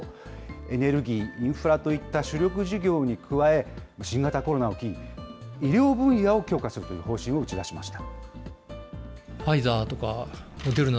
エネルギー、インフラといった主力事業に加え、新型コロナを機に、医療分野を強化するという方針を打ち出しました。